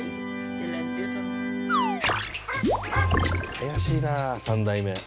怪しいな３代目。